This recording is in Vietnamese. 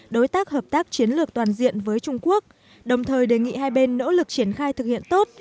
đối tác hợp tác chiến lược toàn diện với trung quốc đồng thời đề nghị hai bên nỗ lực triển khai thực hiện tốt